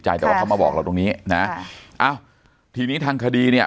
อ้าวทีนี้ทางคดีเนี้ย